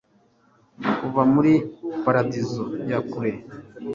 Kuva muri paradizo ya kure